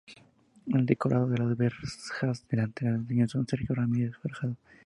El decorado de las verjas delanteras las diseñó don Sergio Ramírez Fajardo.